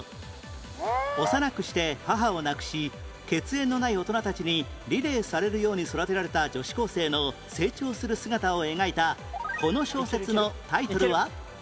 幼くして母を亡くし血縁のない大人たちにリレーされるように育てられた女子高生の成長する姿を描いたこの小説のタイトルは？